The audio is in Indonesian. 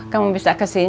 kamu bisa kesini